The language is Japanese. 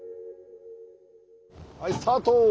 はいスタート！